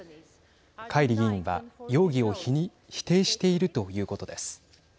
カイリ議員は、容疑を否定しているということです。